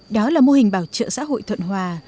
đó là mô hình bảo trợ xã hội thuận hòa